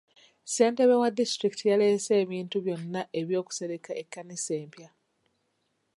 Ssentebe wa disitulikiti yaleese ebintu byonna eby'okusereka ekkanisa empya.